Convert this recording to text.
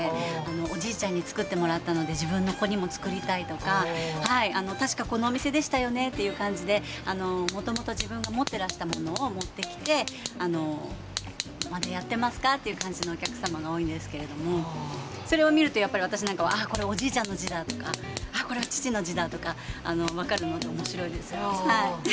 おじいちゃんに作ってもらったので自分の子にも作りたいとか、確かこのお店でしたねという感じでもともと自分が持ってらしたものを持ってきてまだやってますかという感じのお客様が多いんですけどそれを見ると私なんかはああ、おじいちゃんの字だとかこれは父の字だとか分かるので面白いですね。